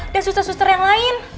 dan suster suster yang lain